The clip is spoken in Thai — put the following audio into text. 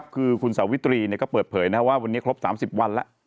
คือคุณสาวิตรีก็เปิดเผยว่าวันนี้ครบ๓๐วันแล้ว